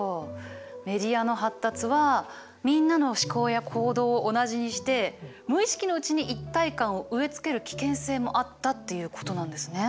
メディアの発達はみんなの思考や行動を同じにして無意識のうちに一体感を植え付ける危険性もあったっていうことなんですね。